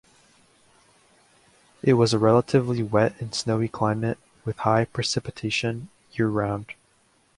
It has a relatively wet and snowy climate with high precipitation year-round.